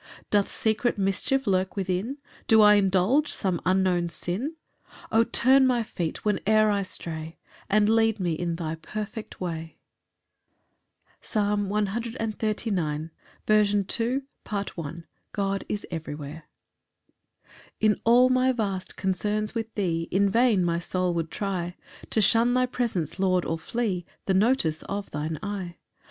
4 Doth secret mischief lurk within? Do I indulge some unknown sin? O turn my feet whene'er I stray, And lead me in thy perfect way. Psalm 139:4. First Part. C. M. God is every where. 1 In all my vast concerns with thee In vain my soul would try To shun thy presence, Lord, or flee The notice of thine eye.